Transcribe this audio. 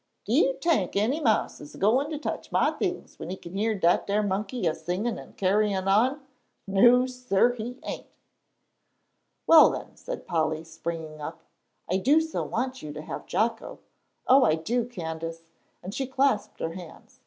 "Do you t'ink any mouse is a goin' to touch my t'ings when he can hear dat ar monkey a singin' an' carryin' on? No, sir, he ain'!" "Well then," cried Polly, springing up, "I do so want you to have Jocko. Oh, I do, Candace," and she clasped her hands.